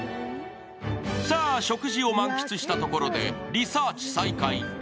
さあ、食事を満喫したところでリサーチ再開。